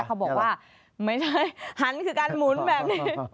เขาบอกว่าไม่ได้หันคือการหมุนแบบนี้